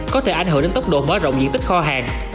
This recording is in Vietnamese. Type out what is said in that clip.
có thể ảnh hưởng đến tốc độ mở rộng diện tích kho hàng